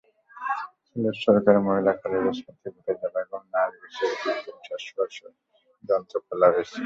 সিলেট সরকারি মহিলা কলেজের ছাত্রী খাদিজা বেগম নার্গিসের কৃত্রিম শ্বাসপ্রশ্বাস যন্ত্র খোলা হয়েছে।